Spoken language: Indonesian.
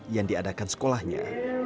yang diadakan sekolahnya